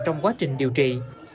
trong quá trình điều trị